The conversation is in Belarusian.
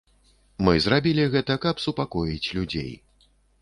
Мы зрабілі гэта, каб супакоіць людзей.